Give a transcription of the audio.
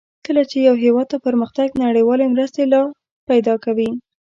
کله چې یو هېواد ته پرمختګ نړیوالې مرستې لار پیداکوي.